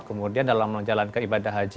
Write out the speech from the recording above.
kemudian dalam menjalankan ibadah haji